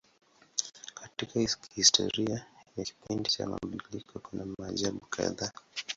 Katika historia ya kipindi cha mabadiliko kuna maajabu kadhaa.